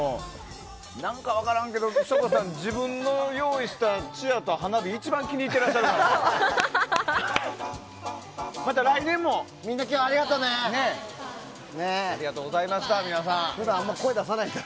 何か分からんけど、省吾さん自分の用意したチアと花火一番気に入っていらっしゃるじゃないですか。